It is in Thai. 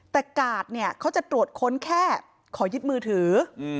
แต่กาดเนี่ยเขาจะตรวจค้นแค่ขอยึดมือถือ